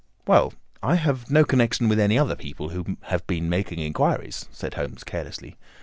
"Well, I have no connection with any other people who have been making inquiries," said Holmes carelessly.